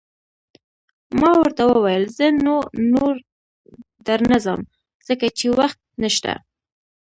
ما ورته وویل: زه نو، نور در نه ځم، ځکه چې وخت نشته.